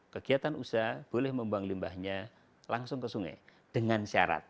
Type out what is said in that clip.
kegiatan usaha boleh membuang limbahnya langsung ke sungai dengan syarat